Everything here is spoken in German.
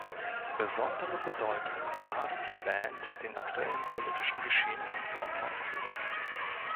Besondere Bedeutung maß die Band den aktuellen politischen Geschehnissen ihrer Zeit zu.